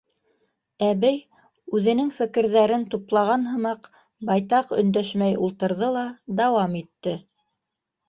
Әбей, үҙенең фекерҙәрен туплаған һымаҡ, байтаҡ өндәшмәй ултырҙы ла дауам итте.